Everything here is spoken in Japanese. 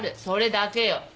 それだけよ。